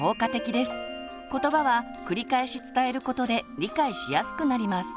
ことばは繰り返し伝えることで理解しやすくなります。